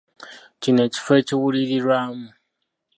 Kino ekifo ekiwummulirwamu.